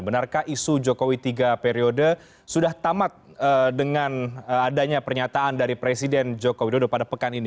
benarkah isu jokowi tiga periode sudah tamat dengan adanya pernyataan dari presiden joko widodo pada pekan ini